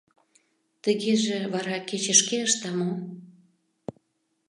Тыгеже вара кече шке ышта мо?